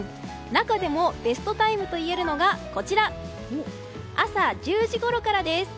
中でもベストタイムと言えるのがこちら朝１０時ごろからです。